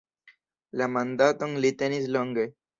La mandaton li tenis longe.